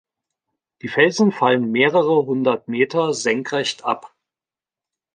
Die Felsen fallen mehrere hundert Meter senkrecht ab.